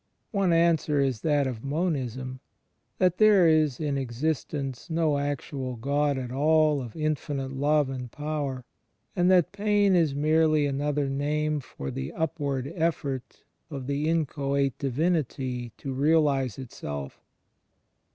One answer is that of Monism — that there is in existence no actual God at all of infinite Love and Power, and that pain is merely another name for the upward effort of the inchoate Divinity to realize Itself.